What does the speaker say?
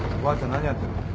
何やってんの？